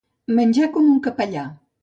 Menjar com un capellà.